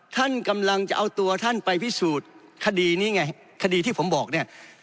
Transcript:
ท่านกำลังจะเอาตัวท่านไปพิสูจน์คดีนี้ไงคดีที่ผมบอกเนี่ย